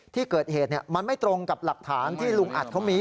ที่เกิดเหตุมันไม่ตรงกับหลักฐานที่ลุงอัดเขามี